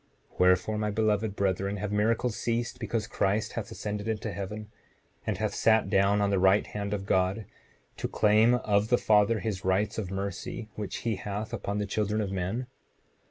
7:27 Wherefore, my beloved brethren, have miracles ceased because Christ hath ascended into heaven, and hath sat down on the right hand of God, to claim of the Father his rights of mercy which he hath upon the children of men?